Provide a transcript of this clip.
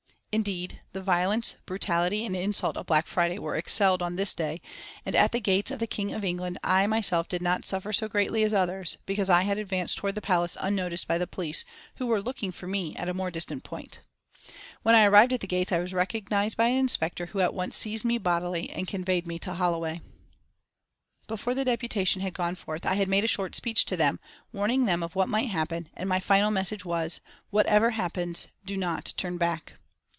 Indeed, the violence, brutality and insult of Black Friday were excelled on this day, and at the gates of the King of England. I myself did not suffer so greatly as others, because I had advanced towards the Palace unnoticed by the police, who were looking for me at a more distant point. When I arrived at the gates I was recognised by an Inspector, who at once seized me bodily, and conveyed me to Holloway. [Illustration: © International News Service "ARRESTED AT THE KING'S GATE!" May, 1914] Before the Deputation had gone forth, I had made a short speech to them, warning them of what might happen, and my final message was: "Whatever happens, do not turn back."